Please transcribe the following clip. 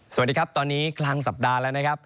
สวัสดีครับตอนนี้กลางสัปดาห์แล้วนะครับ